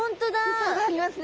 水槽がありますね。